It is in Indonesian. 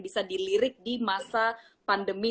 bisa dilirik di masa pandemi